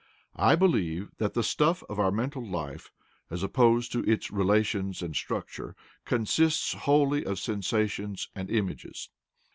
I believe that the stuff of our mental life, as opposed to its relations and structure, consists wholly of sensations and images.